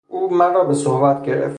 او مرا به صحبت گرفت.